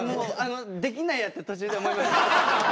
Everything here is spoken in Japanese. できないやって途中で思いました。